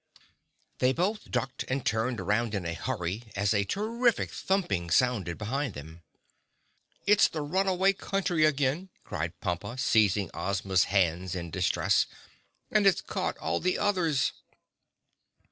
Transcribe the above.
They both ducked and turned around in a hurry, as a terrific thumping sounded behind them. "It's the Runaway Country again," cried Pompa, seizing Ozma's hands in distress, "and it's caught all the others."